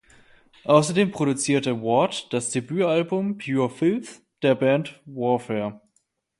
Außerdem produzierte Ward das Debütalbum "Pure Filth" der Band Warfare.